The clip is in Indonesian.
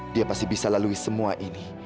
dia pasti bisa lalui semua ini